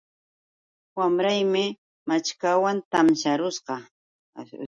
Wamraymi maćhkawan tansharusqa